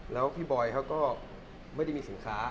แล้วพี่บอยเขาก็ไม่ได้มีสินค้า